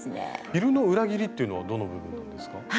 「昼の裏切り」っていうのはどの部分なんですか？